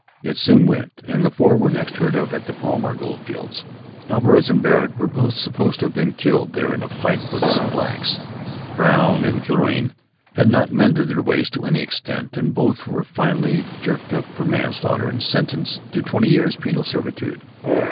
It soon went, and the four were next heard of at the Palmer gold fields. Alvarez and Barrett were both supposed to have been killed there in a fight with some blacks. Brown and Killorain had not mended their ways to any extent, and both were finally jerked up for manslaughter and sentenced to twenty years' penal servitude.